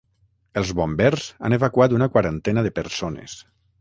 Els bombers han evacuat una quarantena de persones.